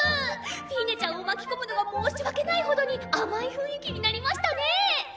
フィーネちゃんを巻き込むのが申し訳ないほどに甘い雰囲気になりましたね。